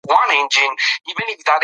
هیلې غوښتل چې د اسمان په څېر ازاده اوسي.